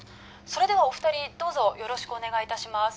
それではお二人どうぞよろしくお願いいたします